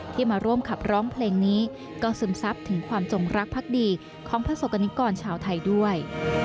ที่มาร่วมขับร้องเพลงนี้ก็ซึมซับถึงความจงรักพักดีของประสบกรณิกรชาวไทยด้วย